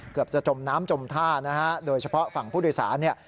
เกือบจะจมน้ำจมท่านะฮะโดยเฉพาะฝั่งผู้โดยสารเนี่ย